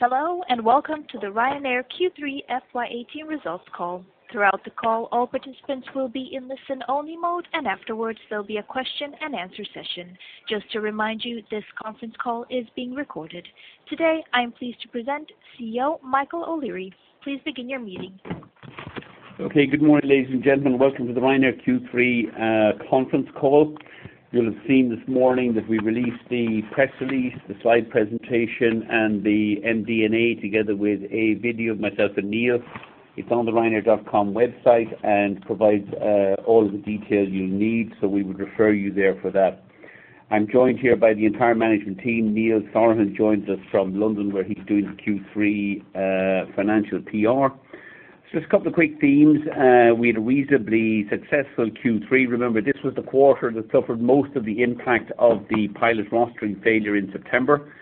Hello, welcome to the Ryanair Q3 FY 2018 results call. Throughout the call, all participants will be in listen-only mode, and afterwards there'll be a question and answer session. Just to remind you, this conference call is being recorded. Today, I am pleased to present CEO Michael O'Leary. Please begin your meeting. Good morning, ladies and gentlemen. Welcome to the Ryanair Q3 conference call. You'll have seen this morning that we released the press release, the slide presentation, and the MD&A, together with a video of myself and Neil. It's on the ryanair.com website and provides all the details you need. We would refer you there for that. I'm joined here by the entire management team. Neil Sorahan joins us from London, where he's doing the Q3 financial PR. Just a couple of quick themes. We had a reasonably successful Q3. Remember, this was the quarter that suffered most of the impact of the pilot rostering failure in September,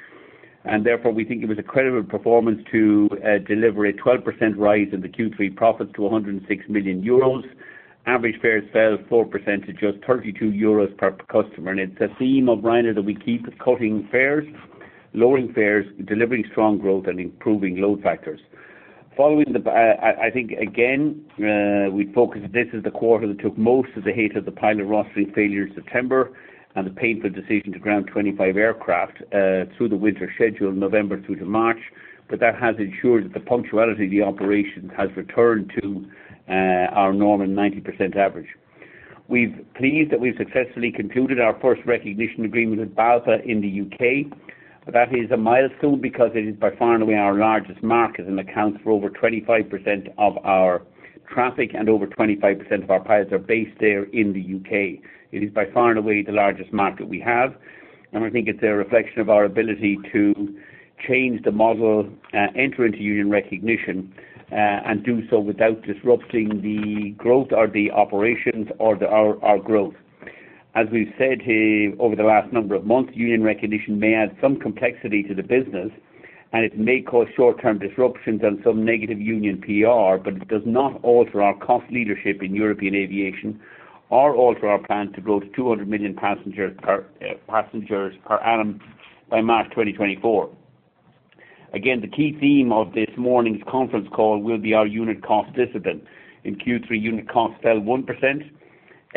and therefore, we think it was a credible performance to deliver a 12% rise in the Q3 profits to 106 million euros. Average fares fell 4% to just 32 euros per customer, it's a theme of Ryanair that we keep cutting fares, lowering fares, delivering strong growth, and improving load factors. I think, again, we'd focus, this is the quarter that took most of the hate of the pilot rostering failure in September and the painful decision to ground 25 aircraft through the winter schedule, November through to March. That has ensured that the punctuality of the operations has returned to our normal 90% average. We're pleased that we've successfully concluded our first recognition agreement with BALPA in the U.K. That is a milestone because it is by far and away our largest market and accounts for over 25% of our traffic and over 25% of our pilots are based there in the U.K. It is by far and away the largest market we have, I think it's a reflection of our ability to change the model, enter into union recognition, and do so without disrupting the growth or the operations or our growth. As we've said here over the last number of months, union recognition may add some complexity to the business, it may cause short-term disruptions and some negative union PR, it does not alter our cost leadership in European aviation or alter our plan to grow to 200 million passengers per annum by March 2024. Again, the key theme of this morning's conference call will be our unit cost discipline. In Q3, unit costs fell 1%.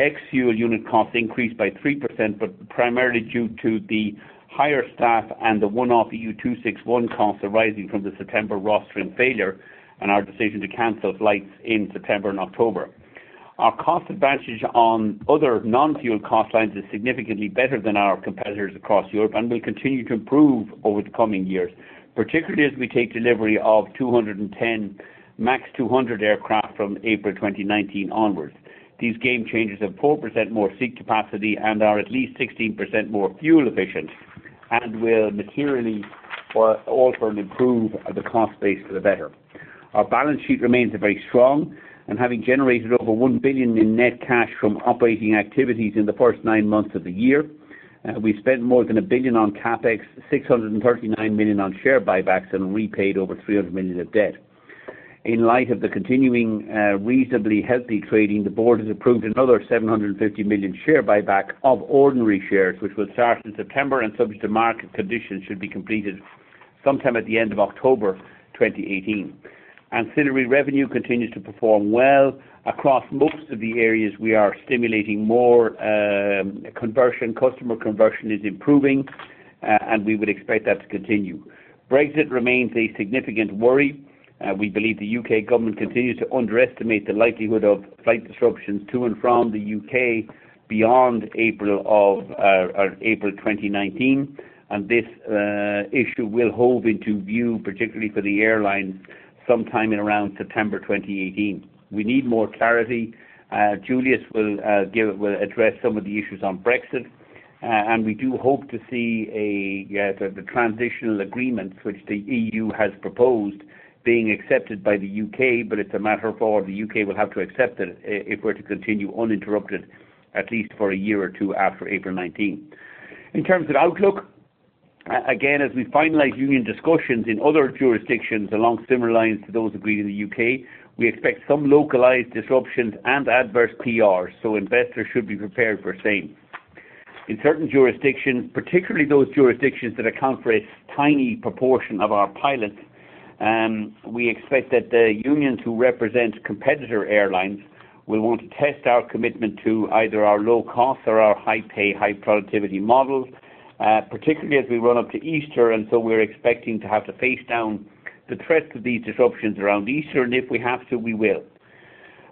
Ex-fuel unit costs increased by 3%. Primarily due to the higher staff and the one-off EU261 costs arising from the September rostering failure and our decision to cancel flights in September and October. Our cost advantage on other non-fuel cost lines is significantly better than our competitors across Europe and will continue to improve over the coming years, particularly as we take delivery of 210 MAX 200 aircraft from April 2019 onwards. These game changers have 4% more seat capacity and are at least 16% more fuel efficient and will materially alter and improve the cost base for the better. Our balance sheet remains very strong. Having generated over 1 billion in net cash from operating activities in the first nine months of the year, we spent more than 1 billion on CapEx, 639 million on share buybacks, and repaid over 300 million of debt. In light of the continuing reasonably healthy trading, the board has approved another 750 million share buyback of ordinary shares, which will start in September and subject to market conditions, should be completed sometime at the end of October 2018. Ancillary revenue continued to perform well. Across most of the areas, we are stimulating more conversion. Customer conversion is improving. We would expect that to continue. Brexit remains a significant worry. We believe the U.K. government continues to underestimate the likelihood of flight disruptions to and from the U.K. beyond April 2019. This issue will hold into view, particularly for the airlines, sometime in around September 2018. We need more clarity. Juliusz will address some of the issues on Brexit. We do hope to see the transitional agreements which the EU has proposed being accepted by the U.K. It's a matter for the U.K. will have to accept it if we're to continue uninterrupted, at least for a year or two after April 2019. In terms of outlook, again, as we finalize union discussions in other jurisdictions along similar lines to those agreed in the U.K., we expect some localized disruptions and adverse PR. Investors should be prepared for same. In certain jurisdictions, particularly those jurisdictions that account for a tiny proportion of our pilots, we expect that the unions who represent competitor airlines will want to test our commitment to either our low-cost or our high-pay, high-productivity models, particularly as we run up to Easter. We're expecting to have to face down the threat of these disruptions around Easter, and if we have to, we will.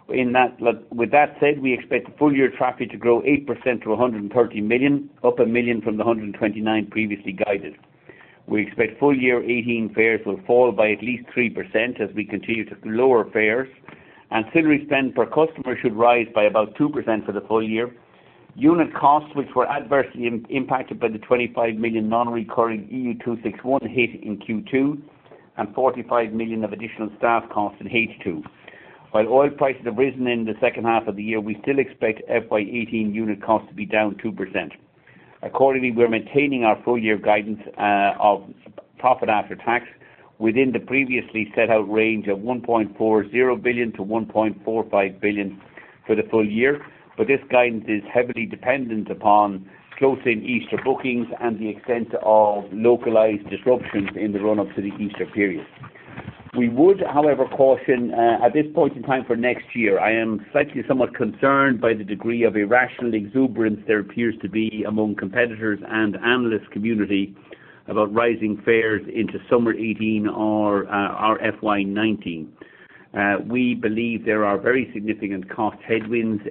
With that said, we expect full-year traffic to grow 8% to 130 million, up 1 million from the 129 previously guided. We expect full year 2018 fares will fall by at least 3% as we continue to lower fares. Ancillary spend per customer should rise by about 2% for the full year. Unit costs, which were adversely impacted by the 25 million non-recurring EU261 hit in Q2 and 45 million of additional staff costs in H2. While oil prices have risen in the second half of the year, we still expect FY 2018 unit costs to be down 2%. Accordingly, we're maintaining our full-year guidance of profit after tax within the previously set out range of 1.40 billion to 1.45 billion for the full year. This guidance is heavily dependent upon closing Easter bookings and the extent of localized disruptions in the run-up to the Easter period. We would, however, caution at this point in time for next year. I am slightly somewhat concerned by the degree of irrational exuberance there appears to be among competitors and analyst community about rising fares into summer 2018 or our FY 2019. We believe there are very significant cost headwinds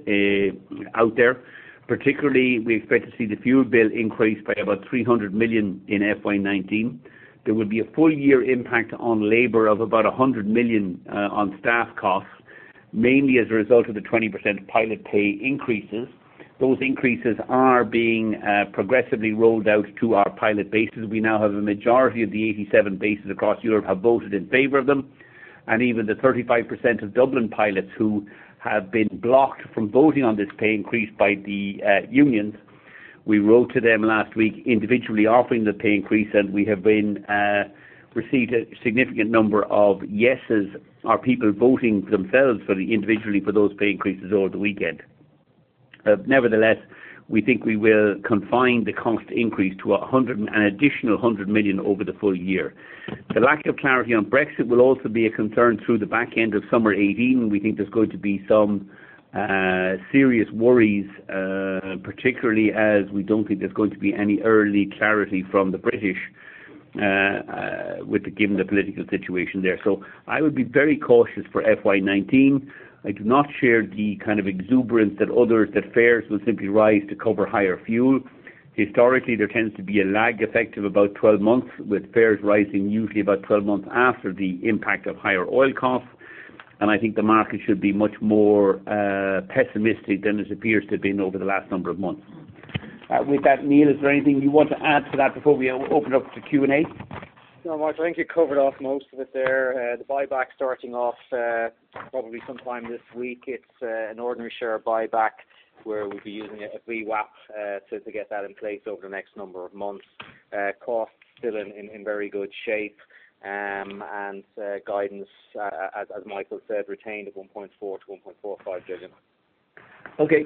out there. Particularly, we expect to see the fuel bill increase by about 300 million in FY 2019. There will be a full-year impact on labor of about 100 million on staff costs, mainly as a result of the 20% pilot pay increases. Those increases are being progressively rolled out to our pilot bases. We now have a majority of the 87 bases across Europe have voted in favor of them. Even the 35% of Dublin pilots who have been blocked from voting on this pay increase by the unions, we wrote to them last week individually offering the pay increase, and we have received a significant number of yeses, are people voting themselves individually for those pay increases over the weekend. Nevertheless, we think we will confine the cost increase to an additional 100 million over the full year. The lack of clarity on Brexit will also be a concern through the back end of summer 2018. We think there's going to be some serious worries, particularly as we don't think there's going to be any early clarity from the British given the political situation there. I would be very cautious for FY 2019. I do not share the kind of exuberance that fares will simply rise to cover higher fuel. Historically, there tends to be a lag effect of about 12 months, with fares rising usually about 12 months after the impact of higher oil costs. I think the market should be much more pessimistic than it appears to have been over the last number of months. With that, Neil, is there anything you want to add to that before we open up to Q&A? No, Michael, I think you covered off most of it there. The buyback starting off probably sometime this week. It's an ordinary share buyback where we'll be using a VWAP to get that in place over the next number of months. Cost still in very good shape. Guidance, as Michael said, retained at 1.4 billion to 1.45 billion. Okay.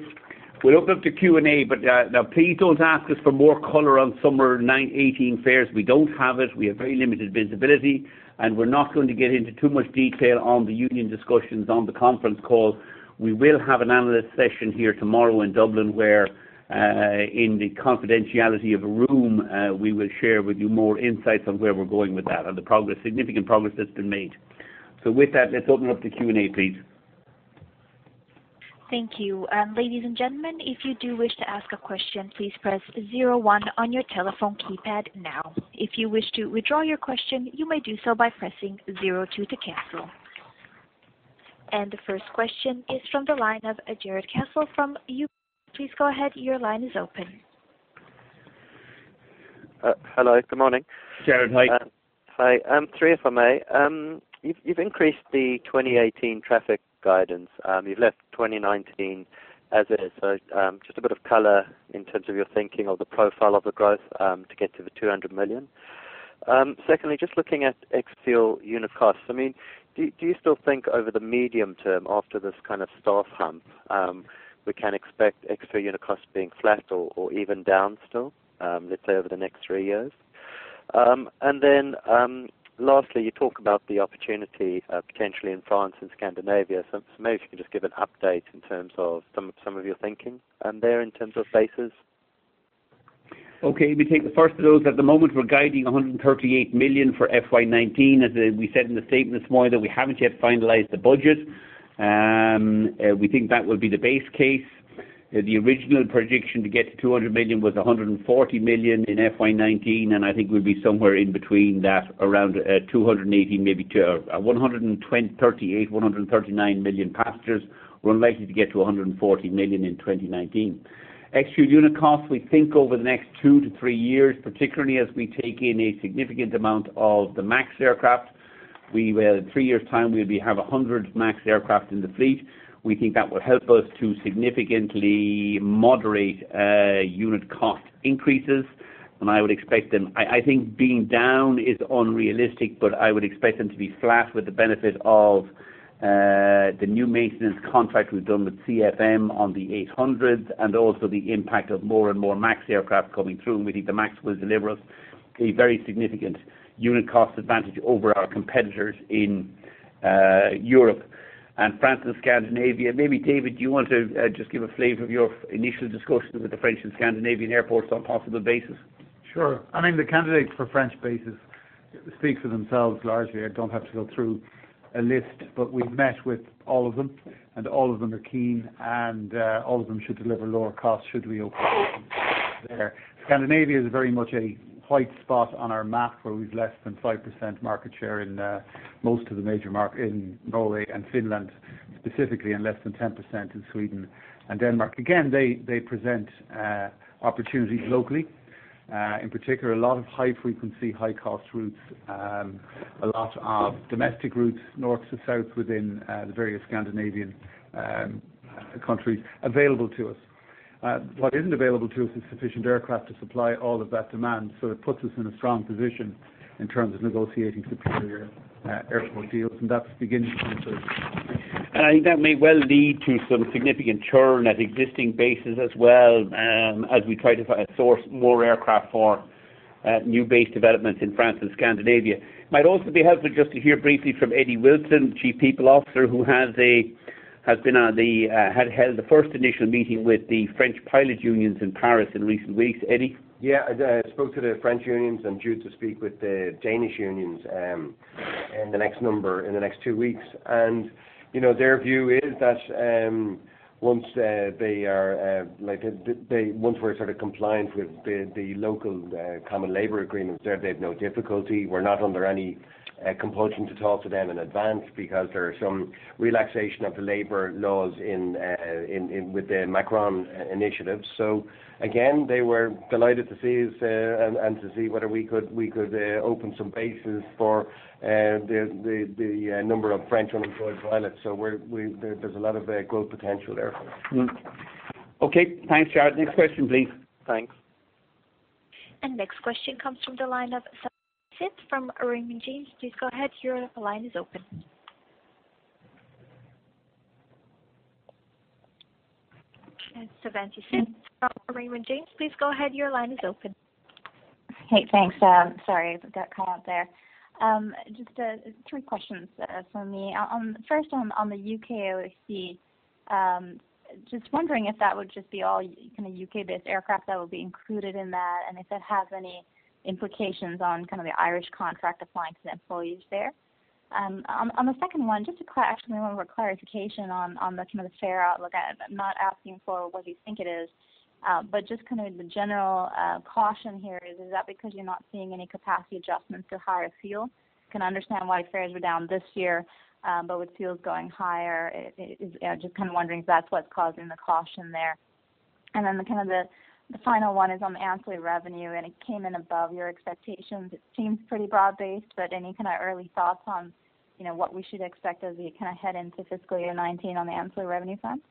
We'll open up to Q&A. Now please don't ask us for more color on summer 2018 fares. We don't have it. We have very limited visibility. We're not going to get into too much detail on the union discussions on the conference call. We will have an analyst session here tomorrow in Dublin, where, in the confidentiality of a room, we will share with you more insights on where we're going with that and the significant progress that's been made. With that, let's open up to Q&A, please. Thank you. Ladies and gentlemen, if you do wish to ask a question, please press 01 on your telephone keypad now. If you wish to withdraw your question, you may do so by pressing 02 to cancel. The first question is from the line of Jarrod Castle from. Please go ahead. Your line is open. Hello, good morning. Jarrod, hi. Hi. Three, if I may. You've increased the 2018 traffic guidance. You've left 2019 as is. Just a bit of color in terms of your thinking of the profile of the growth to get to the 200 million. Secondly, just looking at ex-fuel unit costs. Do you still think over the medium term after this kind of staff hump, we can expect ex-fuel unit costs being flat or even down still, let's say over the next three years? Lastly, you talk about the opportunity potentially in France and Scandinavia. Maybe if you can just give an update in terms of some of your thinking there in terms of bases? Okay, let me take the first of those. At the moment we're guiding 138 million for FY 2019. As we said in the statement this morning, that we haven't yet finalized the budget. We think that will be the base case. The original prediction to get to 200 million was 140 million in FY 2019, and I think we'll be somewhere in between that, around 218 maybe to 138, 139 million passengers. We're unlikely to get to 140 million in 2019. Ex-fuel unit cost, we think over the next two to three years, particularly as we take in a significant amount of the MAX aircraft. In three years' time, we'll have 100 MAX aircraft in the fleet. We think that will help us to significantly moderate unit cost increases. I think being down is unrealistic, but I would expect them to be flat with the benefit of the new maintenance contract we've done with CFM on the 800s and also the impact of more and more MAX aircraft coming through, and we think the MAX will deliver us a very significant unit cost advantage over our competitors in Europe. France and Scandinavia, maybe David, do you want to just give a flavor of your initial discussions with the French and Scandinavian airports on possible bases? Sure. The candidates for French bases speak for themselves largely. I don't have to go through a list, but we've met with all of them, and all of them are keen, and all of them should deliver lower costs should we open there. Scandinavia is very much a white spot on our map where we've less than 5% market share in most of the major markets, in Norway and Finland specifically, and less than 10% in Sweden and Denmark. Again, they present opportunities locally. In particular, a lot of high-frequency, high-cost routes, a lot of domestic routes, north to south within the various Scandinavian countries available to us. What isn't available to us is sufficient aircraft to supply all of that demand. It puts us in a strong position in terms of negotiating superior air support deals, and that's beginning to come to fruition. I think that may well lead to some significant churn at existing bases as well, as we try to source more aircraft for new base developments in France and Scandinavia. It might also be helpful just to hear briefly from Eddie Wilson, Chief People Officer, who has held the first initial meeting with the French pilot unions in Paris in recent weeks. Eddie? Yeah, I spoke to the French unions. I'm due to speak with the Danish unions in the next two weeks. Their view is that once we're sort of compliant with the local common labor agreements there, they have no difficulty. We're not under any compulsion to talk to them in advance because there is some relaxation of the labor laws with the Macron initiatives. Again, they were delighted to see us and to see whether we could open some bases for the number of French unemployed pilots. There's a lot of growth potential there. Okay. Thanks, Jarrod. Next question, please. Thanks. Next question comes from the line of Savanthi Syth from Raymond James. Please go ahead. Your line is open. It's Savanthi Syth from Raymond James. Please go ahead. Your line is open. Hey, thanks. Sorry, got cut out there. Just three questions from me. First, on the U.K. AOC. Just wondering if that would just be all U.K.-based aircraft that would be included in that, and if that has any implications on the Irish contract flying to the employees there. On the second one, just actually a little more clarification on the fare outlook. I'm not asking for what you think it is, but just kind of the general caution here. Is that because you're not seeing any capacity adjustments to higher fuel? Can understand why fares were down this year, but with fuels going higher, just kind of wondering if that's what's causing the caution there. Then the final one is on ancillary revenue, and it came in above your expectations. It seems pretty broad-based, but any kind of early thoughts on what we should expect as we head into FY 2019 on the ancillary revenue front?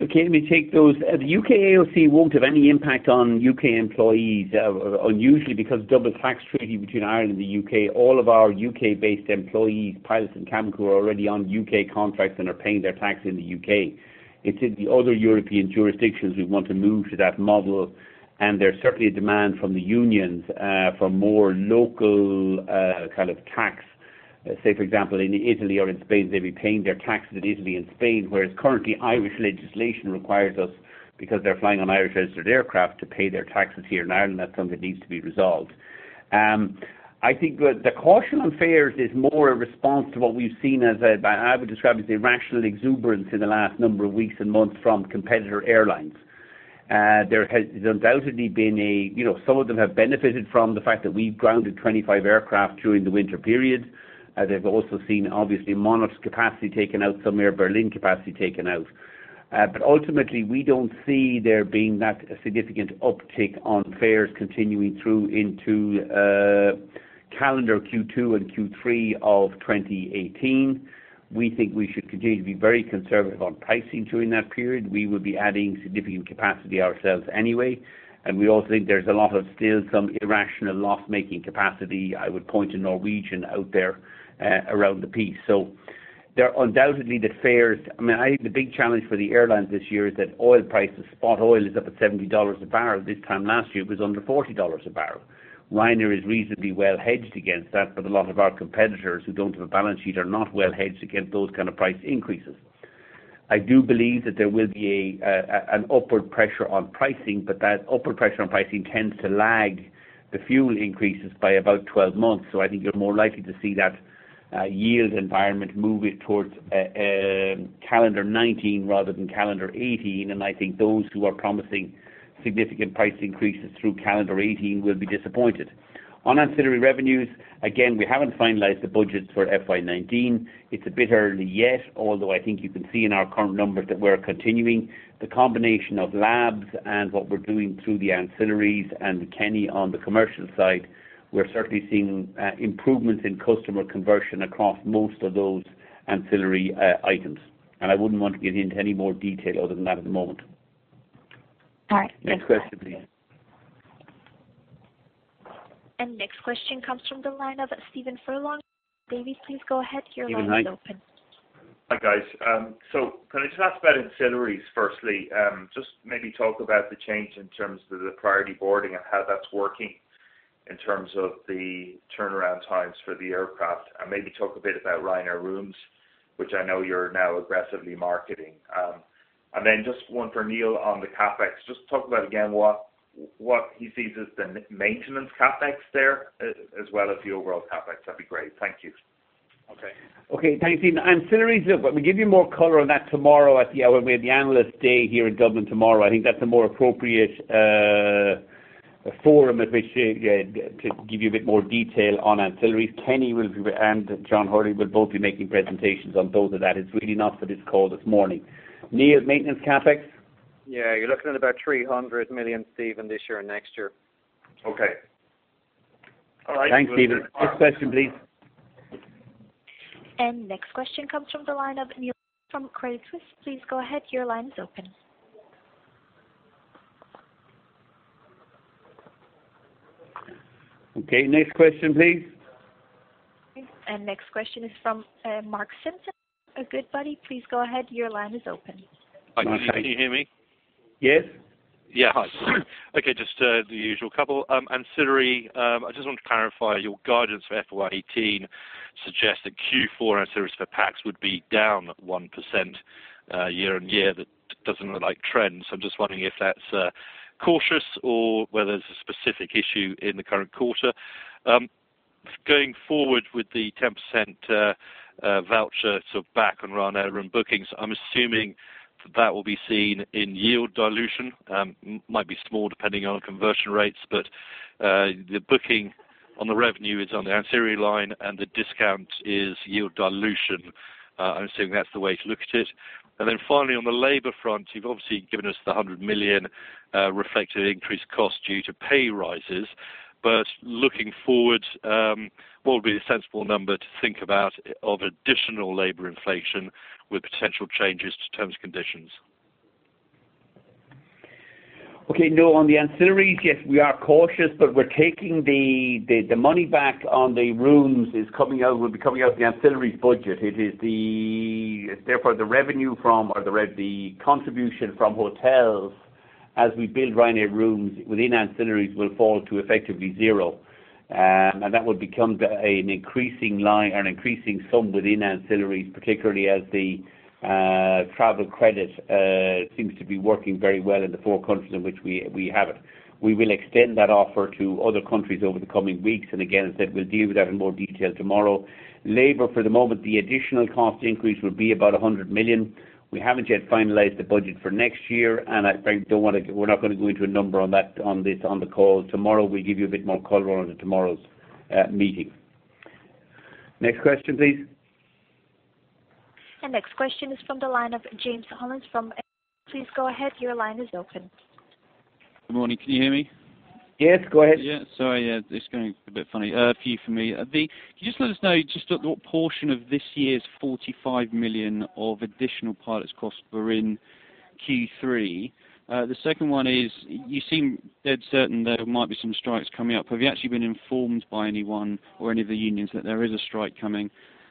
Okay, let me take those. The U.K. AOC won't have any impact on U.K. employees, unusually because double tax treaty between Ireland and the U.K. All of our U.K.-based employees, pilots and cabin crew, are already on U.K. contracts and are paying their tax in the U.K. It is the other European jurisdictions we want to move to that model, and there's certainly a demand from the unions for more local tax. Say, for example, in Italy or in Spain, they'd be paying their taxes in Italy and Spain, whereas currently Irish legislation requires us, because they're flying on Irish-registered aircraft, to pay their taxes here in Ireland. That's something that needs to be resolved. I think the caution on fares is more a response to what we've seen as, I would describe it, the irrational exuberance in the last number of weeks and months from competitor airlines. There has undoubtedly been Some of them have benefited from the fact that we've grounded 25 aircraft during the winter period. They've also seen, obviously, Monarch's capacity taken out, some Air Berlin capacity taken out. Ultimately, we don't see there being that significant uptick on fares continuing through into calendar Q2 and Q3 of 2018. We think we should continue to be very conservative on pricing during that period. We will be adding significant capacity ourselves anyway, and we also think there's a lot of still some irrational loss-making capacity. I would point to Norwegian out there around the piece. I think the big challenge for the airlines this year is that oil prices, spot oil is up at $70 a barrel. This time last year, it was under $40 a barrel. Ryanair is reasonably well hedged against that, a lot of our competitors who don't have a balance sheet are not well hedged against those kind of price increases. I do believe that there will be an upward pressure on pricing, but that upward pressure on pricing tends to lag the fuel increases by about 12 months. I think you're more likely to see that yield environment moving towards calendar 2019 rather than calendar 2018, and I think those who are promising significant price increases through calendar 2018 will be disappointed. On ancillary revenues, again, we haven't finalized the budgets for FY 2019. It's a bit early yet, although I think you can see in our current numbers that we're continuing the combination of labs and what we're doing through the ancillaries and Kenny on the commercial side. We're certainly seeing improvements in customer conversion across most of those ancillary items, and I wouldn't want to get into any more detail other than that at the moment. All right. Thanks, Michael O'Leary. Next question, please. Next question comes from the line of Stephen Furlong, Davy. Please go ahead. Your line is open. Stephen, hi. Hi, guys. Can I just ask about ancillaries firstly? Just maybe talk about the change in terms of the priority boarding and how that's working in terms of the turnaround times for the aircraft, and maybe talk a bit about Ryanair Rooms, which I know you're now aggressively marketing. Then just one for Neil on the CapEx. Just talk about again what he sees as the maintenance CapEx there as well as the overall CapEx. That would be great. Thank you. Okay. Thanks, Stephen. Ancillaries, look, we give you more color on that tomorrow when we have the analyst day here in Dublin tomorrow. I think that is a more appropriate forum at which to give you a bit more detail on ancillaries. Kenny and John Hurley will both be making presentations on both of that. It is really not for this call this morning. Neil, maintenance CapEx? Yeah, you're looking at about 300 million, Stephen, this year and next year. Okay. Thanks, Stephen Furlong. Next question, please. Next question comes from the line of Neil from Credit Suisse. Please go ahead. Your line is open. Okay. Next question, please. Next question is from Mark Simpson at Goodbody. Please go ahead. Your line is open. Mark, can you hear me? Yes. Yeah. Hi. Okay. Just the usual couple. Ancillary, I just want to clarify your guidance for FY 2018 suggests that Q4 ancillaries for PAX would be down 1% year-over-year. That doesn't look like trends. I'm just wondering if that's cautious or whether there's a specific issue in the current quarter. Going forward with the 10% voucher back on Ryanair Rooms bookings, I'm assuming that will be seen in yield dilution. Might be small depending on conversion rates, but the booking on the revenue is on the ancillary line and the discount is yield dilution. I'm assuming that's the way to look at it. Finally, on the labor front, you've obviously given us the 100 million reflective increased cost due to pay rises. Looking forward, what would be the sensible number to think about of additional labor inflation with potential changes to terms, conditions? Okay. No, on the ancillaries, yes, we are cautious, but we're taking the money back on the rooms will be coming out of the ancillaries budget. Therefore the revenue from or the contribution from hotels as we build Ryanair Rooms within ancillaries will fall to effectively zero. That would become an increasing sum within ancillaries, particularly as the travel credit seems to be working very well in the four countries in which we have it. We will extend that offer to other countries over the coming weeks, and again, as I said, we'll deal with that in more detail tomorrow. Labor for the moment, the additional cost increase will be about 100 million. We haven't yet finalized the budget for next year, and we're not going to go into a number on the call. Tomorrow, we'll give you a bit more color on it in tomorrow's meeting. Next question, please. Next question is from the line of James Hollins from. Please go ahead. Your line is open. Good morning. Can you hear me? Yes, go ahead. Yeah. Sorry. It's going a bit funny. A few for me. Could you just let us know just what portion of this year's 45 million of additional pilots costs were in Q3? The second one is, you seem dead certain there might be some strikes coming up. Have you actually been informed by anyone or any of the unions that there is a strike coming?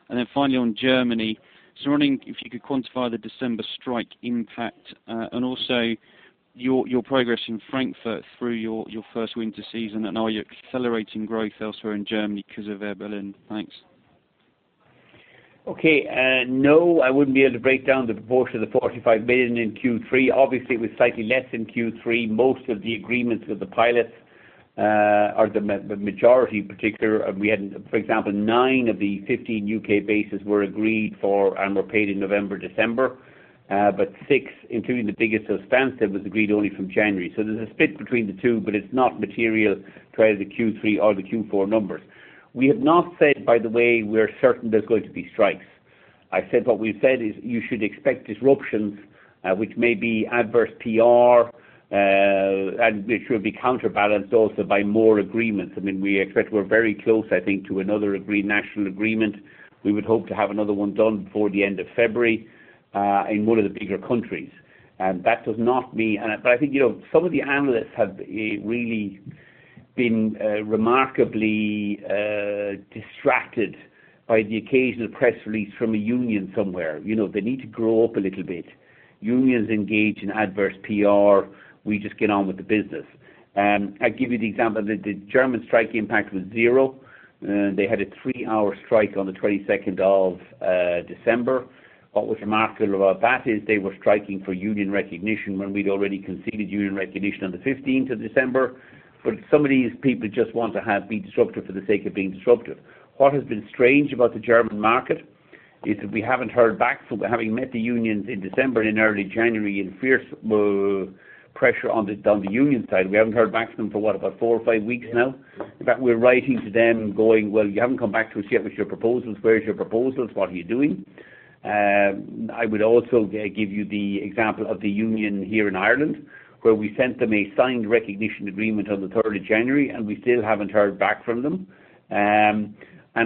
Then finally on Germany, just wondering if you could quantify the December strike impact, and also your progress in Frankfurt through your first winter season and are you accelerating growth elsewhere in Germany because of Air Berlin? Thanks. Okay. No, I wouldn't be able to break down the proportion of the 45 million in Q3. Obviously, it was slightly less in Q3. Most of the agreements with the pilots, or the majority particular, we had, for example, nine of the 15 U.K. bases were agreed for and were paid in November, December. Six, including the biggest at Stansted, was agreed only from January. There's a split between the two, but it's not material to either the Q3 or the Q4 numbers. We have not said, by the way, we're certain there's going to be strikes. What we've said is you should expect disruptions, which may be adverse PR, which will be counterbalanced also by more agreements. We expect we're very close, I think, to another national agreement. We would hope to have another one done before the end of February in one of the bigger countries. I think some of the analysts have really been remarkably distracted by the occasional press release from a union somewhere. They need to grow up a little bit. Unions engage in adverse PR. We just get on with the business. I'll give you the example, the German strike impact was zero. They had a three-hour strike on the 22nd of December. What was remarkable about that is they were striking for union recognition when we'd already conceded union recognition on the 15th of December. Some of these people just want to be disruptive for the sake of being disruptive. What has been strange about the German market is that we haven't heard back from having met the unions in December and in early January in fierce pressure on the union side. We haven't heard back from them for what, about four or five weeks now. In fact, we're writing to them going, "Well, you haven't come back to us yet with your proposals. Where's your proposals? What are you doing?" I would also give you the example of the union here in Ireland, where we sent them a signed recognition agreement on the 3rd of January, we still haven't heard back from them.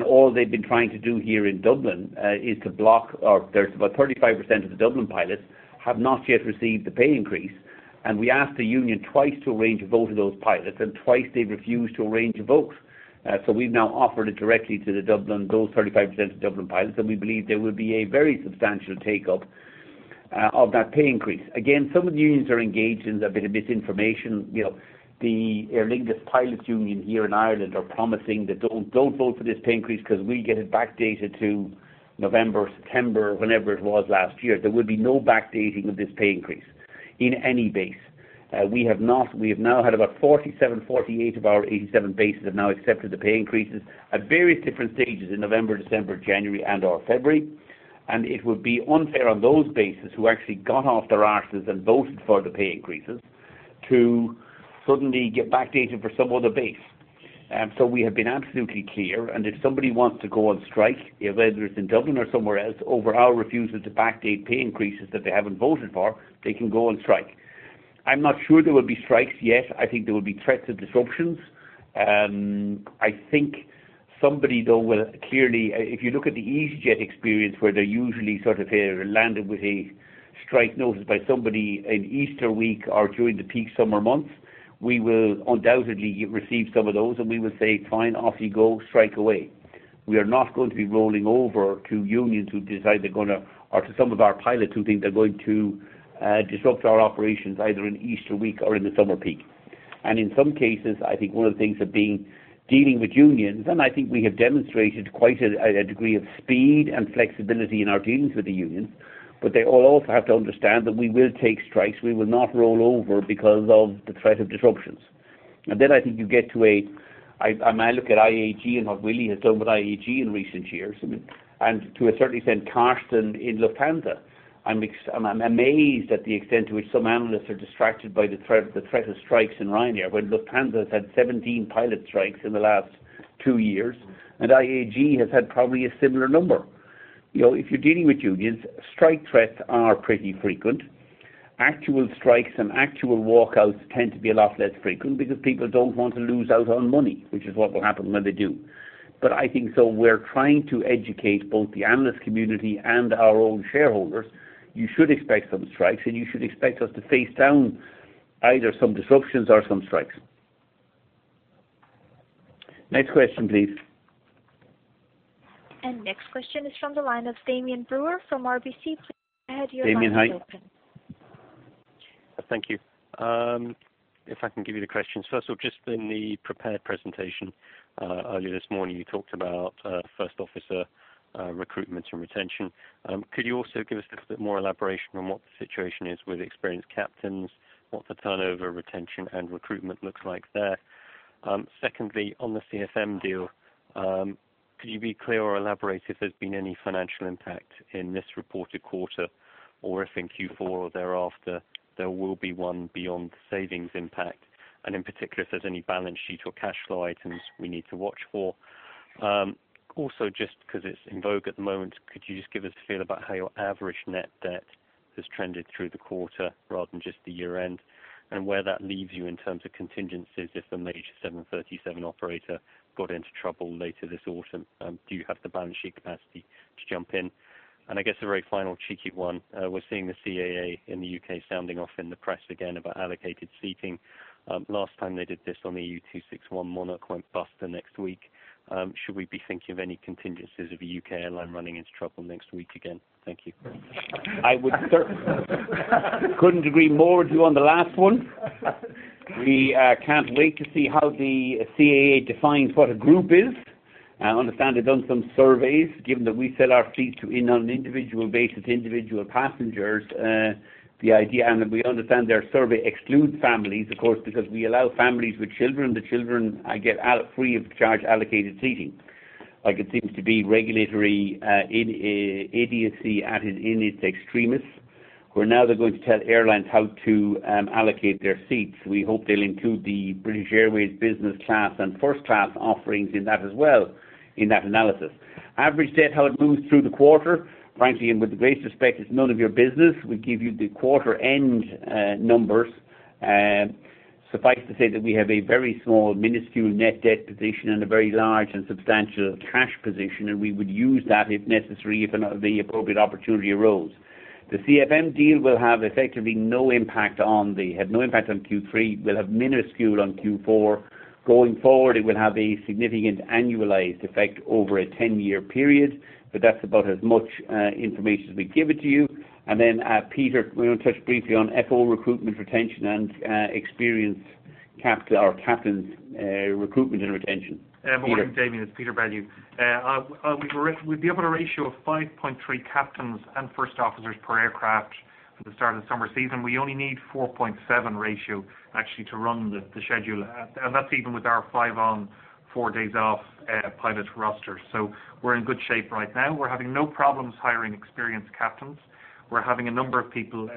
All they've been trying to do here in Dublin is to block-- or there's about 35% of the Dublin pilots have not yet received the pay increase. We asked the union twice to arrange a vote of those pilots, twice they've refused to arrange a vote. We've now offered it directly to those 35% of Dublin pilots, and we believe there will be a very substantial take-up of that pay increase. Again, some of the unions are engaged in a bit of misinformation. The Aer Lingus pilots union here in Ireland are promising that don't vote for this pay increase because we'll get it backdated to November, September, whenever it was last year. There will be no backdating of this pay increase in any base. We have now had about 47, 48 of our 87 bases have now accepted the pay increases at various different stages in November, December, January, and or February. It would be unfair on those bases who actually got off their asses and voted for the pay increases to suddenly get backdated for some other base. We have been absolutely clear, and if somebody wants to go on strike, whether it's in Dublin or somewhere else over our refusal to backdate pay increases that they haven't voted for, they can go on strike. I'm not sure there will be strikes yet. I think there will be threats of disruptions. I think somebody, though, will clearly. If you look at the easyJet experience, where they're usually sort of landed with a strike notice by somebody in Easter week or during the peak summer months, we will undoubtedly receive some of those, and we will say, "Fine, off you go. Strike away." We are not going to be rolling over to unions who decide they're going to, or to some of our pilots who think they're going to disrupt our operations either in Easter week or in the summer peak. In some cases, I think one of the things of dealing with unions, and I think we have demonstrated quite a degree of speed and flexibility in our dealings with the unions, but they also have to understand that we will take strikes. We will not roll over because of the threat of disruptions. I think you get to a. I look at IAG and what Willie has done with IAG in recent years, and to a certain extent, Carsten in Lufthansa. I'm amazed at the extent to which some analysts are distracted by the threat of strikes in Ryanair when Lufthansa has had 17 pilot strikes in the last two years, and IAG has had probably a similar number. If you're dealing with unions, strike threats are pretty frequent. Actual strikes and actual walkouts tend to be a lot less frequent because people don't want to lose out on money, which is what will happen when they do. I think, we're trying to educate both the analyst community and our own shareholders. You should expect some strikes, and you should expect us to face down either some disruptions or some strikes. Next question, please. Next question is from the line of Damian Brewer from RBC. Please go ahead, your line is open. Damian, hi. Thank you. If I can give you the questions. First off, just in the prepared presentation earlier this morning, you talked about first officer recruitment and retention. Could you also give us a little bit more elaboration on what the situation is with experienced captains, what the turnover, retention, and recruitment looks like there? Secondly, on the CFM deal, could you be clear or elaborate if there's been any financial impact in this reported quarter or if in Q4 or thereafter there will be one beyond the savings impact, and in particular, if there's any balance sheet or cash flow items we need to watch for? Just because it's in vogue at the moment, could you just give us a feel about how your average net debt has trended through the quarter rather than just the year-end and where that leaves you in terms of contingencies if a major 737 operator got into trouble later this autumn? Do you have the balance sheet capacity to jump in? I guess a very final cheeky one. We're seeing the CAA in the U.K. sounding off in the press again about allocated seating. Last time they did this on the EU261, Monarch went bust the next week. Should we be thinking of any contingencies of a U.K. airline running into trouble next week again? Thank you. I couldn't agree more with you on the last one. We can't wait to see how the CAA defines what a group is. I understand they've done some surveys, given that we sell our seats on an individual basis, individual passengers. And we understand their survey excludes families, of course, because we allow families with children, the children get free of charge allocated seating. It seems to be regulatory idiocy at its extremis, where now they're going to tell airlines how to allocate their seats. We hope they'll include the British Airways business class and first class offerings in that as well, in that analysis. Average debt, how it moves through the quarter. Frankly, and with the greatest respect, it's none of your business. We give you the quarter-end numbers. Suffice to say that we have a very small, minuscule net debt position and a very large and substantial cash position, and we would use that if necessary, if the appropriate opportunity arose. The CFM deal will have effectively no impact on Q3, will have minuscule on Q4. Going forward, it will have a significant annualized effect over a 10-year period, but that's about as much information as we can give it to you. Peter, do you want to touch briefly on FO recruitment, retention, and experienced captains recruitment and retention? Peter. Morning, Damian. It's Peter Bellew. We've been able to ratio a 5.3 captains and first officers per aircraft for the start of the summer season. We only need 4.7 ratio actually to run the schedule, and that's even with our five on, four days off pilot roster. We're in good shape right now. We're having no problems hiring experienced captains. We're having a number of people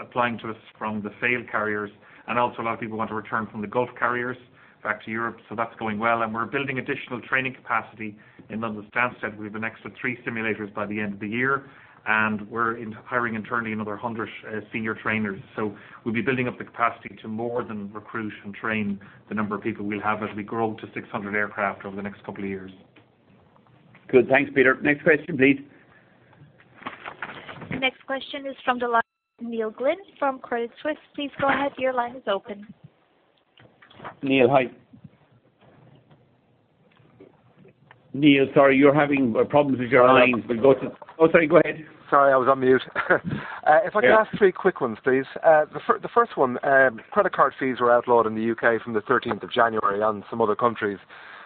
applying to us from the failed carriers, and also a lot of people want to return from the Gulf carriers back to Europe. That's going well. We're building additional training capacity in London, Stansted. We've an extra three simulators by the end of the year, and we're hiring and training another 100 senior trainers. We'll be building up the capacity to more than recruit and train the number of people we'll have as we grow to 600 aircraft over the next couple of years. Good. Thanks, Peter. Next question, please. The next question is from the line of Neil Glynn from Credit Suisse. Please go ahead. Your line is open. Neil, hi. Neil, sorry, you're having problems with your line. Oh, sorry. Go ahead. Sorry, I was on mute. Yeah. If I could ask 3 quick ones, please. The first one, credit card fees were outlawed in the U.K. from the 13th of January and some other countries.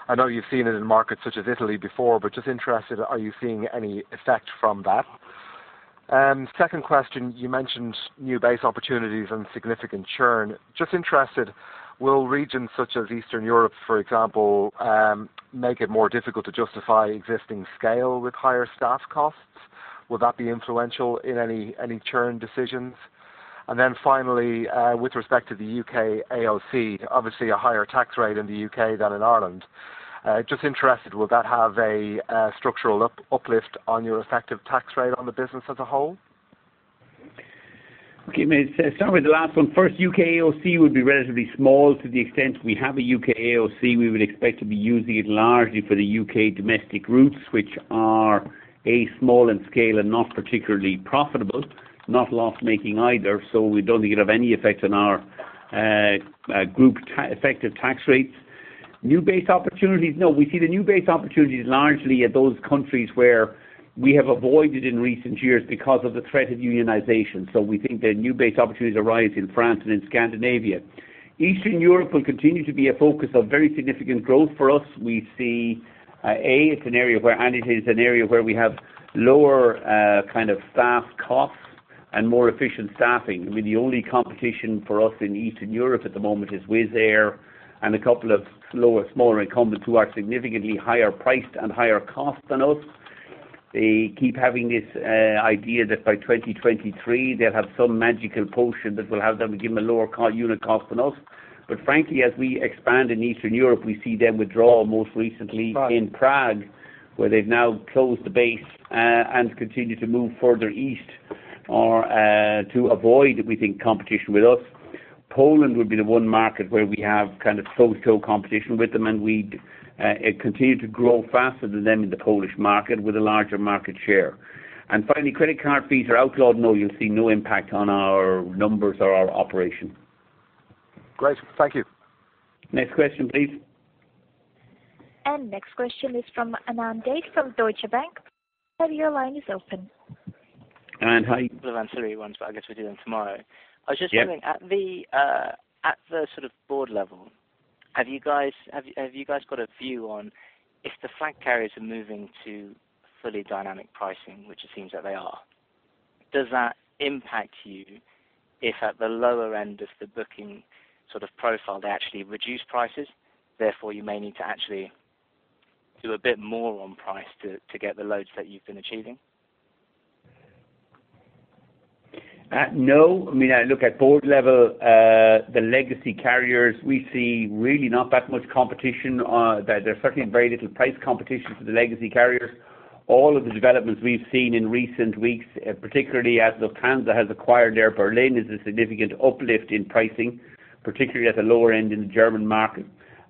I know you've seen it in markets such as Italy before, but just interested, are you seeing any effect from that? Second question, you mentioned new base opportunities and significant churn. Just interested, will regions such as Eastern Europe, for example, make it more difficult to justify existing scale with higher staff costs? Will that be influential in any churn decisions? Finally, with respect to the U.K. AOC, obviously a higher tax rate in the U.K. than in Ireland. Just interested, will that have a structural uplift on your effective tax rate on the business as a whole? Okay, mate. Start with the last one first. U.K. AOC would be relatively small to the extent we have a U.K. AOC, we would expect to be using it largely for the U.K. domestic routes, which are A, small in scale and not particularly profitable, not loss-making either. We don't think it'll have any effect on our group effective tax rates. New base opportunities? No, we see the new base opportunities largely at those countries where we have avoided in recent years because of the threat of unionization. We think the new base opportunities arise in France and in Scandinavia. Eastern Europe will continue to be a focus of very significant growth for us. We see, A, it's an area where we have lower kind of staff costs and more efficient staffing. I mean, the only competition for us in Eastern Europe at the moment is Wizz Air and a couple of smaller incumbents who are significantly higher priced and higher cost than us. They keep having this idea that by 2023, they'll have some magical potion that will have them give them a lower unit cost than us. Frankly, as we expand in Eastern Europe, we see them withdraw, most recently in Prague, where they've now closed the base and continue to move further east to avoid, we think, competition with us. Poland would be the one market where we have kind of toe-to-toe competition with them, and we continue to grow faster than them in the Polish market with a larger market share. Finally, credit card fees are outlawed. No, you'll see no impact on our numbers or our operation. Great. Thank you. Next question, please. Next question is from Anand Date from Deutsche Bank. Sir, your line is open. Anand, hi. Could have answered three ones, I guess we'll do them tomorrow. Yeah. I was just wondering, at the sort of board level, have you guys got a view on if the flag carriers are moving to fully dynamic pricing, which it seems that they are. Does that impact you if at the lower end of the booking sort of profile, they actually reduce prices, therefore you may need to actually do a bit more on price to get the loads that you've been achieving? No. I mean, look, at board level, the legacy carriers, we see really not that much competition. There's certainly very little price competition for the legacy carriers. All of the developments we've seen in recent weeks, particularly as Lufthansa has acquired Air Berlin, is a significant uplift in pricing, particularly at the lower end in the German market.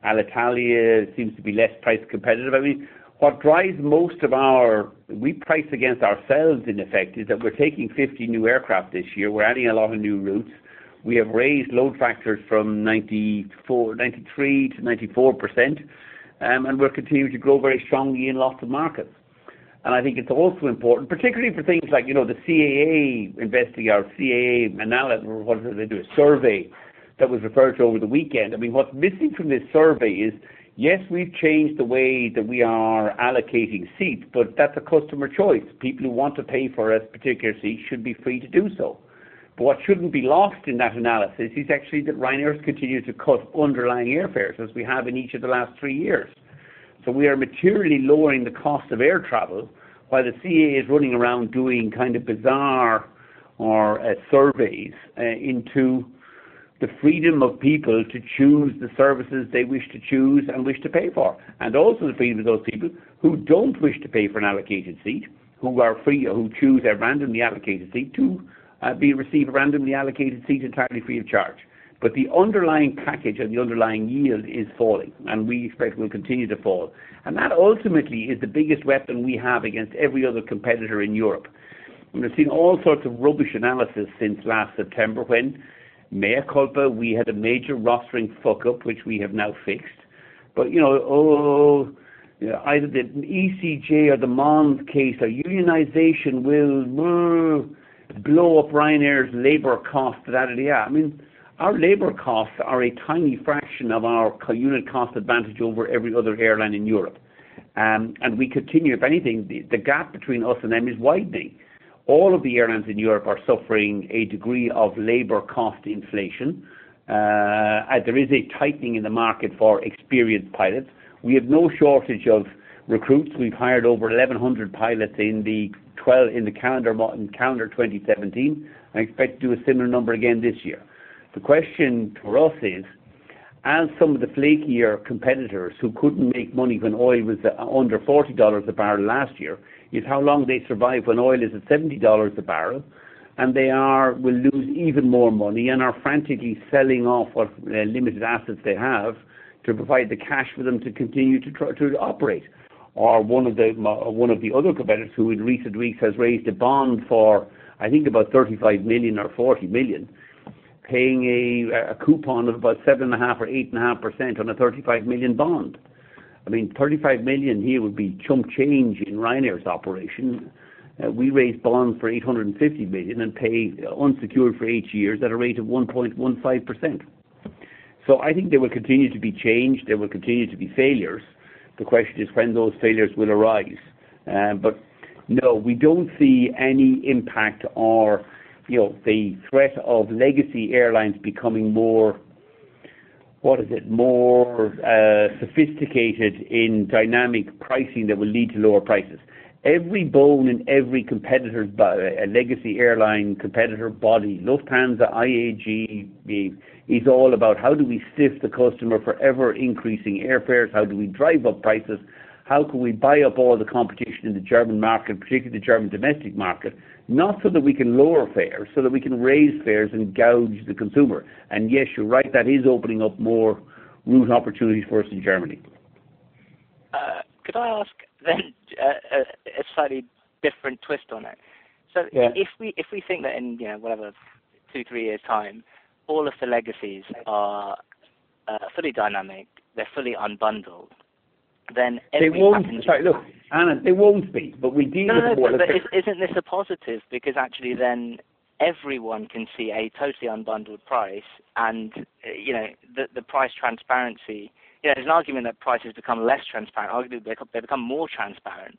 Alitalia seems to be less price competitive. I mean, what drives most of our-- we price against ourselves in effect, is that we're taking 50 new aircraft this year. We're adding a lot of new routes. We have raised load factors from 93% to 94%, and we're continuing to grow very strongly in lots of markets. I think it's also important, particularly for things like, the CAA investigating our CAA analysis, or whatever they do, a survey that was referred to over the weekend. I mean, what's missing from this survey is, yes, we've changed the way that we are allocating seats. That's a customer choice. People who want to pay for a particular seat should be free to do so. What shouldn't be lost in that analysis is actually that Ryanair's continued to cut underlying airfares as we have in each of the last three years. We are materially lowering the cost of air travel while the CAA is running around doing kind of bizarre surveys into the freedom of people to choose the services they wish to choose and wish to pay for. Also the freedom of those people who don't wish to pay for an allocated seat, who are free or who choose a randomly allocated seat to receive a randomly allocated seat entirely free of charge. The underlying package or the underlying yield is falling. We expect it will continue to fall. That ultimately is the biggest weapon we have against every other competitor in Europe. We've seen all sorts of rubbish analysis since last September when, mea culpa, we had a major rostering fuck up, which we have now fixed. Either the ECJ or the Mons case or unionization will blow up Ryanair's labor cost. I mean, our labor costs are a tiny fraction of our unit cost advantage over every other airline in Europe. We continue, if anything, the gap between us and them is widening. All of the airlines in Europe are suffering a degree of labor cost inflation, as there is a tightening in the market for experienced pilots. We have no shortage of recruits. We've hired over 1,100 pilots in calendar 2017. I expect to do a similar number again this year. The question for us is, as some of the flakier competitors who couldn't make money when oil was under EUR 40 a barrel last year, is how long they survive when oil is at EUR 70 a barrel, and they will lose even more money and are frantically selling off what limited assets they have to provide the cash for them to continue to operate. Or one of the other competitors who in recent weeks has raised a bond for, I think about 35 million or 40 million, paying a coupon of about 7.5% or 8.5% on a 35 million bond. I mean, 35 million here would be chump change in Ryanair's operation. We raised bonds for 850 million and pay unsecured for 8 years at a rate of 1.15%. I think there will continue to be change, there will continue to be failures. The question is when those failures will arise. No, we don't see any impact or the threat of legacy airlines becoming more sophisticated in dynamic pricing that will lead to lower prices. Every bone in every legacy airline competitor body, Lufthansa, IAG, is all about how do we stiff the customer for ever-increasing airfares? How do we drive up prices? How can we buy up all the competition in the German market, particularly the German domestic market, not so that we can lower fares, so that we can raise fares and gouge the consumer. Yes, you're right, that is opening up more route opportunities for us in Germany. Could I ask a slightly different twist on it? Yeah. If we think that in, whatever, two, three years' time, all of the legacies are fully dynamic, they're fully unbundled, every passenger. Sorry, look, Anand, they won't be. No, isn't this a positive? Because actually everyone can see a totally unbundled price and the price transparency. There's an argument that prices become less transparent. Arguably, they become more transparent,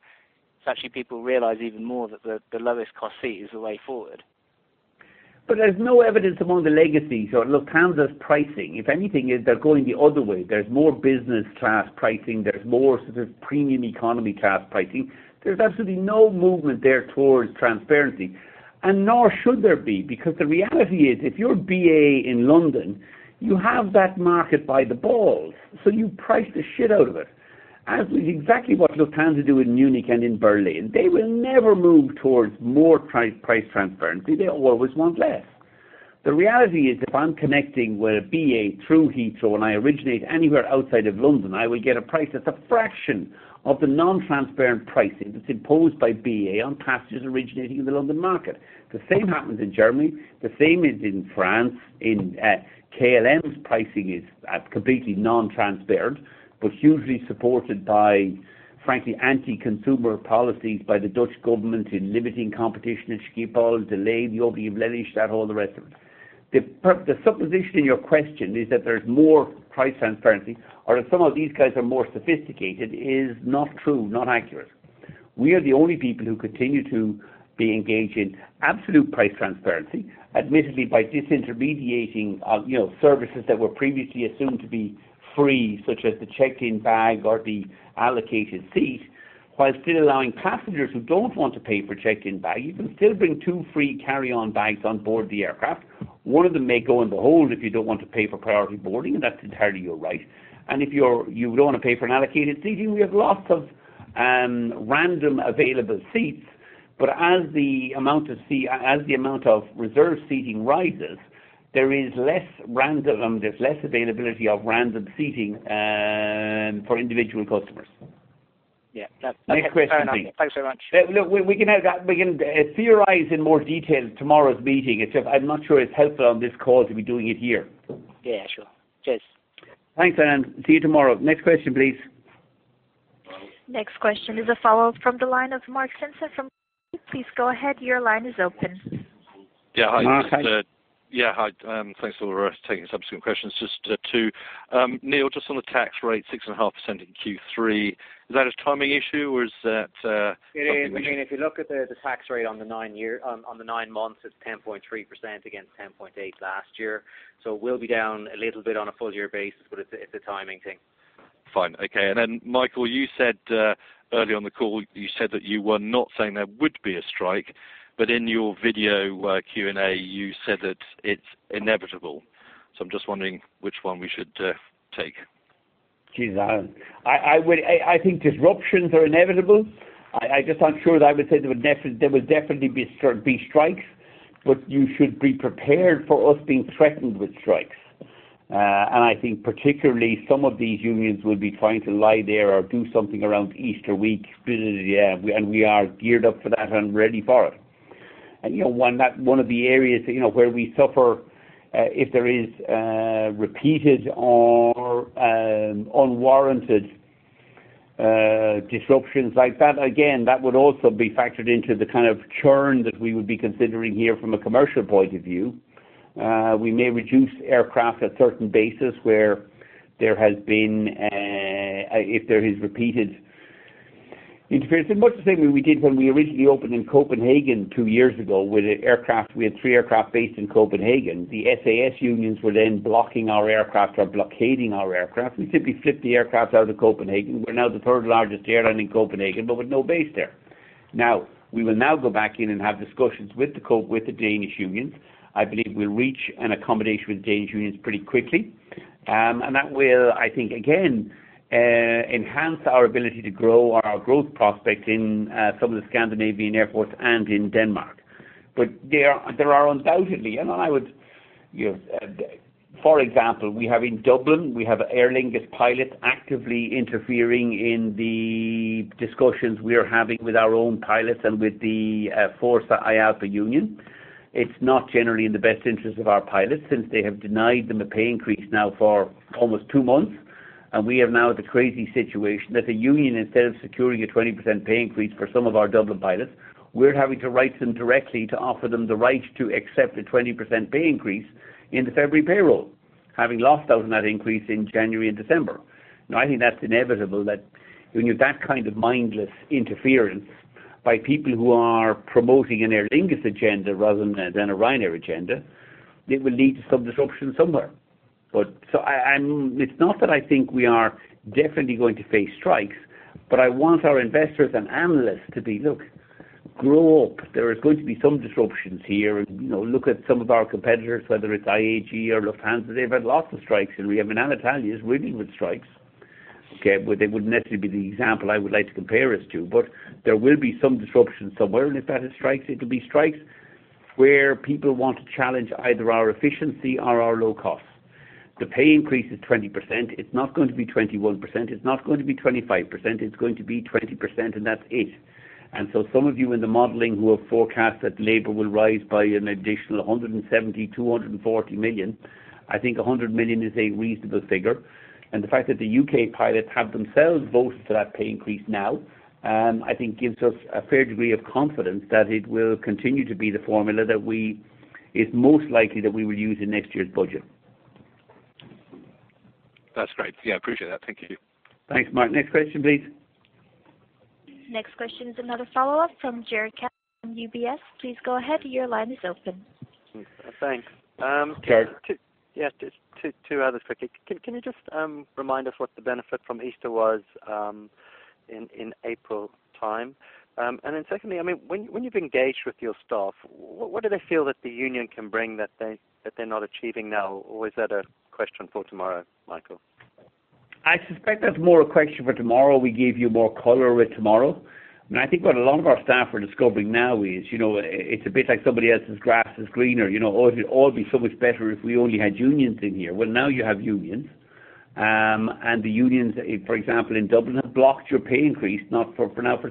actually people realize even more that the lowest cost seat is the way forward. There's no evidence among the legacies or Lufthansa's pricing. If anything, they're going the other way. There's more business-class pricing. There's more sort of premium economy-class pricing. There's absolutely no movement there towards transparency, and nor should there be, because the reality is, if you're BA in London, you have that market by the balls, you price the shit out of it, as is exactly what Lufthansa do in Munich and in Berlin. They will never move towards more price transparency. They always want less. The reality is, if I'm connecting with BA through Heathrow and I originate anywhere outside of London, I will get a price that's a fraction of the non-transparent pricing that's imposed by BA on passengers originating in the London market. The same happens in Germany. The same is in France. KLM's pricing is completely non-transparent hugely supported by, frankly, anti-consumer policies by the Dutch government in limiting competition at Schiphol, delaying the opening of Lelystad, all the rest of it. The supposition in your question is that there's more price transparency or that some of these guys are more sophisticated is not true, not accurate. We are the only people who continue to be engaged in absolute price transparency, admittedly by disintermediating services that were previously assumed to be free, such as the check-in bag or the allocated seat, while still allowing passengers who don't want to pay for check-in bag, you can still bring two free carry-on bags on board the aircraft. One of them may go in the hold if you don't want to pay for priority boarding, and that's entirely your right. If you don't want to pay for an allocated seating, we have lots of random available seats. As the amount of reserve seating rises, there's less availability of random seating for individual customers. Yeah. That's fair. Next question, please. Thanks very much. Look, we can theorize in more detail in tomorrow's meeting. It's just I'm not sure it's helpful on this call to be doing it here. Yeah, sure. Cheers. Thanks, Anand. See you tomorrow. Next question, please. Next question is a follow-up from the line of Mark Simpson from. Please go ahead. Your line is open. Yeah, hi. Mark. Yeah, hi. Thanks for taking subsequent questions. Just two. Neil, just on the tax rate, 6.5% in Q3, is that a timing issue? It is. If you look at the tax rate on the nine months, it's 10.3% against 10.8 last year. We'll be down a little bit on a full-year basis, but it's a timing thing. Fine. Okay. Michael, early on the call, you said that you were not saying there would be a strike, but in your video Q&A, you said that it's inevitable. I'm just wondering which one we should take. Jesus. I think disruptions are inevitable. I just aren't sure that I would say there would definitely be strikes, but you should be prepared for us being threatened with strikes. I think particularly some of these unions will be trying to lie there or do something around Easter week. We are geared up for that and ready for it. One of the areas where we suffer, if there is repeated or unwarranted disruptions like that, again, that would also be factored into the kind of churn that we would be considering here from a commercial point of view. We may reduce aircraft at certain bases if there is repeated interference. Much the same way we did when we originally opened in Copenhagen two years ago with the aircraft. We had three aircraft based in Copenhagen. SAS unions were then blocking our aircraft or blockading our aircraft. We simply flipped the aircraft out of Copenhagen. We are now the third-largest airline in Copenhagen, but with no base there. We will now go back in and have discussions with the Danish unions. I believe we will reach an accommodation with the Danish unions pretty quickly. That will, I think, again, enhance our ability to grow our growth prospects in some of the Scandinavian airports and in Denmark. There are undoubtedly. For example, we have in Dublin, we have Aer Lingus pilots actively interfering in the discussions we are having with our own pilots and with the Fórsa IALPA union. It is not generally in the best interest of our pilots since they have denied them a pay increase now for almost two months. We have now the crazy situation that the union, instead of securing a 20% pay increase for some of our Dublin pilots, we are having to write them directly to offer them the right to accept a 20% pay increase in the February payroll, having lost out on that increase in January and December. I think that is inevitable that when you have that kind of mindless interference. By people who are promoting an Aer Lingus agenda rather than a Ryanair agenda, it will lead to some disruption somewhere. It is not that I think we are definitely going to face strikes, but I want our investors and analysts to be, look, grow up. There is going to be some disruptions here. Look at some of our competitors, whether it is IAG or Lufthansa. They have had lots of strikes, and we have Alitalia who is reeling with strikes. Okay. Well, they would not necessarily be the example I would like to compare us to, but there will be some disruption somewhere, and if that is strikes, it will be strikes where people want to challenge either our efficiency or our low costs. The pay increase is 20%. It is not going to be 21%, it is not going to be 25%, it is going to be 20%, and that is it. Some of you in the modeling who have forecast that labor will rise by an additional 170 million, 240 million, I think 100 million is a reasonable figure. The fact that the U.K. pilots have themselves voted for that pay increase now, I think gives us a fair degree of confidence that it will continue to be the formula that is most likely that we will use in next year's budget. That's great. Yeah, I appreciate that. Thank you. Thanks, Mark. Next question, please. Next question is another follow-up from Jarrod Castle from UBS. Please go ahead. Your line is open. Thanks. Jez. Yeah. Just two others quickly. Can you just remind us what the benefit from Easter was in April time? Secondly, when you've engaged with your staff, what do they feel that the union can bring that they're not achieving now? Is that a question for tomorrow, Michael? I suspect that's more a question for tomorrow. We give you more color it tomorrow. I think what a lot of our staff are discovering now is, it's a bit like somebody else's grass is greener. "Oh, it'd all be so much better if we only had unions in here." Well, now you have unions. The unions, for example, in Dublin, have blocked your pay increase now for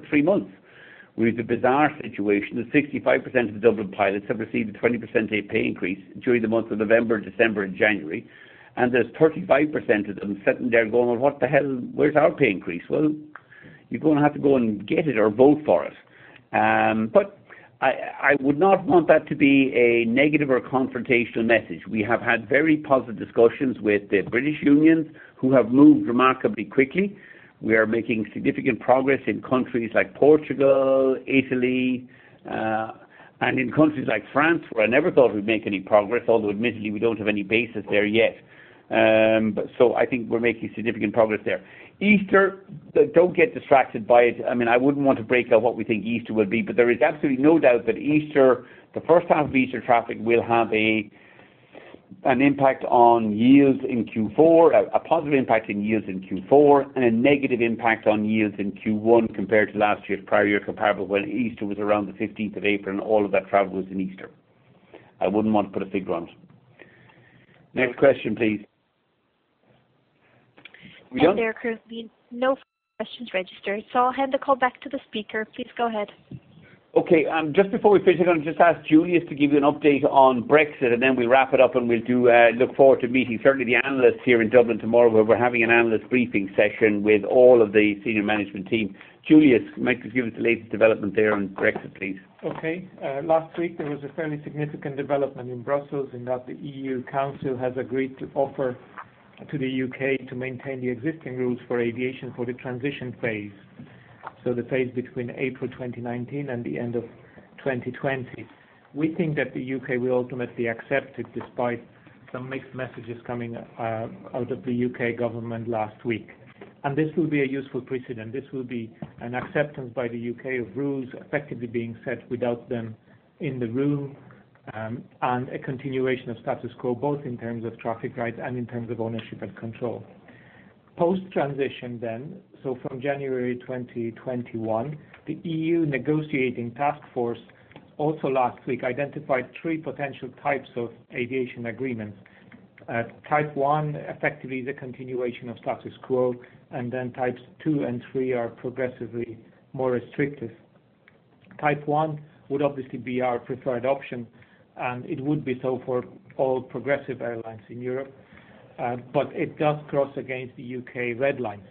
3 months. We have the bizarre situation that 65% of the Dublin pilots have received a 20% pay increase during the months of November, December, and January. There's 35% of them sitting there going, "Well, what the hell? Where's our pay increase?" Well, you're going to have to go and get it or vote for it. I would not want that to be a negative or confrontational message. We have had very positive discussions with the British unions who have moved remarkably quickly. We are making significant progress in countries like Portugal, Italy, and in countries like France, where I never thought we'd make any progress, although admittedly, we don't have any bases there yet. I think we're making significant progress there. Easter, don't get distracted by it. I wouldn't want to break out what we think Easter will be, but there is absolutely no doubt that Easter, the first half of Easter traffic will have an impact on yields in Q4. A positive impact in yields in Q4, and a negative impact on yields in Q1 compared to last year's prior year comparable when Easter was around the 15th of April and all of that travel was in Easter. I wouldn't want to put a figure on it. Next question, please. We done? There currently no further questions registered, I'll hand the call back to the speaker. Please go ahead. Okay. Just before we finish, I'm going to just ask Juliusz to give you an update on Brexit, we'll wrap it up, and we'll look forward to meeting certainly the analysts here in Dublin tomorrow, where we're having an analyst briefing session with all of the senior management team. Juliusz, might as give us the latest development there on Brexit, please. Okay. Last week, there was a fairly significant development in Brussels in that the EU Council has agreed to offer to the U.K. to maintain the existing rules for aviation for the transition phase. The phase between April 2019 and the end of 2020. We think that the U.K. will ultimately accept it despite some mixed messages coming out of the U.K. government last week. This will be a useful precedent. This will be an acceptance by the U.K. of rules effectively being set without them in the room, and a continuation of status quo, both in terms of traffic rights and in terms of ownership and control. Post-transition then, from January 2021, the EU negotiating task force also last week identified 3 potential types of aviation agreements. Type 1, effectively the continuation of status quo, then types 2 and 3 are progressively more restrictive. Type 1 would obviously be our preferred option, and it would be so for all progressive airlines in Europe. It does cross against the U.K. red lines.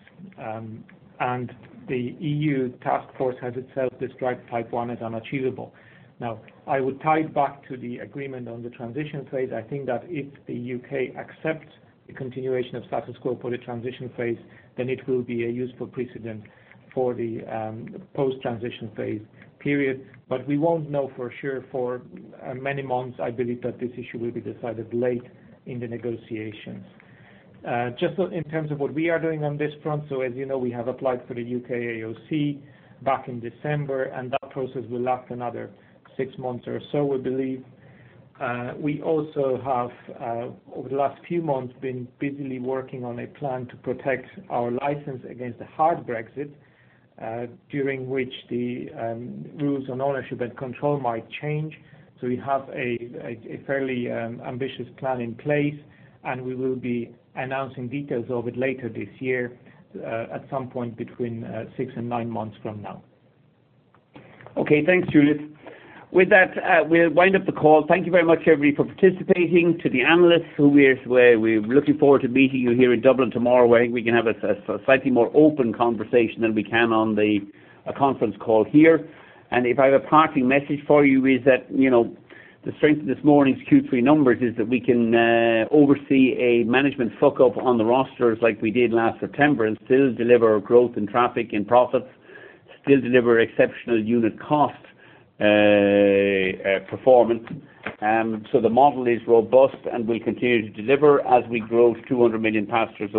The EU Task Force has itself described Type 1 as unachievable. Now, I would tie it back to the agreement on the transition phase. I think that if the U.K. accepts the continuation of status quo for the transition phase, then it will be a useful precedent for the post-transition phase period. We won't know for sure for many months. I believe that this issue will be decided late in the negotiations. Just in terms of what we are doing on this front, as you know, we have applied for the U.K. AOC back in December, and that process will last another 6 months or so, we believe. We also have, over the last few months, been busily working on a plan to protect our license against a hard Brexit, during which the rules on ownership and control might change. We have a fairly ambitious plan in place, and we will be announcing details of it later this year, at some point between 6 and 9 months from now. Okay, thanks, Juliusz. With that, we'll wind up the call. Thank you very much, everybody, for participating. To the analysts, we're looking forward to meeting you here in Dublin tomorrow, where we can have a slightly more open conversation than we can on a conference call here. If I have a parting message for you is that, the strength of this morning's Q3 numbers is that we can oversee a management fuckup on the rosters like we did last September and still deliver growth in traffic and profits, still deliver exceptional unit cost performance. The model is robust and will continue to deliver as we grow to 200 million passengers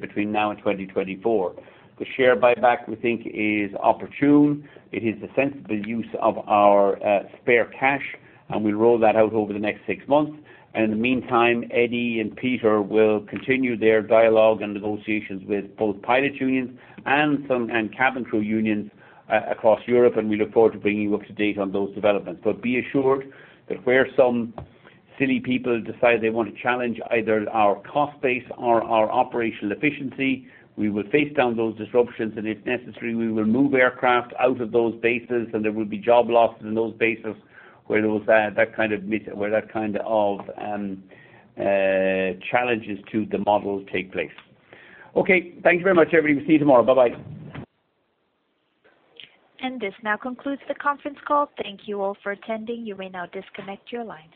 between now and 2024. The share buyback, we think, is opportune. It is a sensible use of our spare cash, and we roll that out over the next 6 months. In the meantime, Eddie and Peter will continue their dialogue and negotiations with both pilots unions and cabin crew unions across Europe. We look forward to bringing you up to date on those developments. Be assured that where some silly people decide they want to challenge either our cost base or our operational efficiency, we will face down those disruptions. If necessary, we will move aircraft out of those bases. There will be job losses in those bases where that kind of challenges to the model take place. Okay. Thank you very much, everybody. We'll see you tomorrow. Bye-bye. This now concludes the conference call. Thank you all for attending. You may now disconnect your lines.